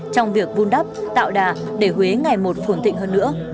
trong việc vun đắp tạo đà để huế ngày một phồn thịnh hơn nữa